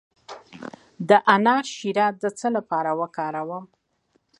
د انار شیره د څه لپاره وکاروم؟